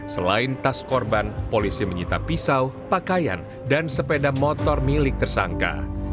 selain tas korban polisi menyita pisau pakaian dan sepeda motor milik tersangka